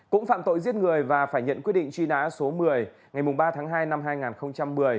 cũng phạm tội giết người và phải nhận quyết định truy nã số một mươi ngày ba tháng hai năm hai nghìn một mươi